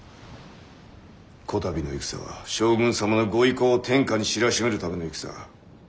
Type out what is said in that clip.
こたびの戦は将軍様のご威光を天下に知らしめるための戦。